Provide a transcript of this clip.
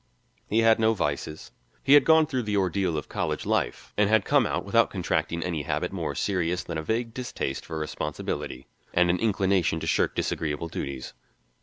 He had no vices. He had gone through the ordeal of college life and had come out without contracting any habit more serious than a vague distaste for responsibility, and an inclination to shirk disagreeable duties.